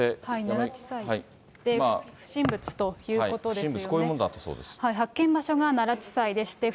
奈良地裁で、不審物ということですよね。